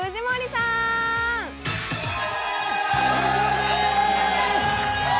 藤森でーす。